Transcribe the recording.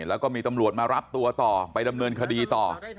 แล้วก็มีตำรวจมารับตัวต่อไปดำเนินคดีต่อ